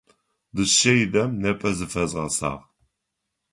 Дышъэидэм непэ зыфэзгъэсагъ.